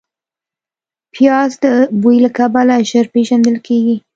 پیاز د بوی له کبله ژر پېژندل کېږي